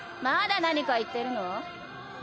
まだ何か言ってるの？